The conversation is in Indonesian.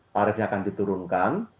tarifnya akan diturunkan